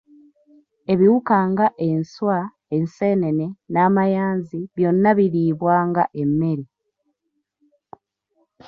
"Ebiwuka nga enswa, enseenene n’amayanzi byonna biriibwa nga emmere."